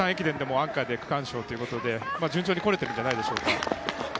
伝でもアンカーで区間賞ということで順調にこれているんじゃないでしょうか。